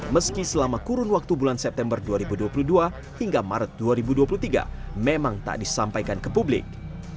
meski selama kurun waktu bulan september dua ribu dua puluh dua hingga maret dua ribu dua puluh tiga memang tak disampaikan ke publik